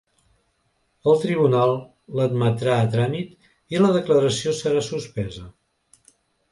El tribunal l’admetrà a tràmit i la declaració serà suspesa.